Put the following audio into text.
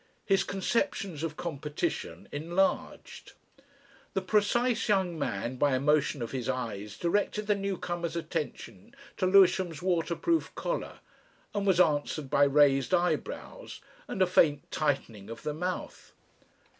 His conceptions of competition enlarged. The precise young man by a motion of his eyes directed the newcomer's attention to Lewisham's waterproof collar, and was answered by raised eyebrows and a faint tightening of the mouth.